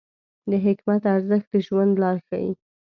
د حکمت ارزښت د ژوند لار ښیي.